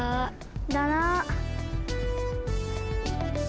だな。